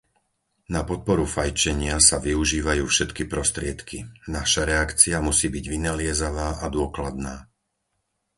Na podporu fajčenia sa využívajú všetky prostriedky; naša reakcia musí byť vynaliezavá a dôkladná.